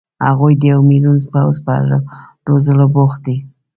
هغوی د یو ملیون پوځ په روزلو بوخت دي.